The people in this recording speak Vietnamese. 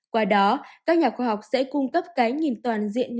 qua đó các nhà khoa học sẽ cung cấp cái nhìn toàn diện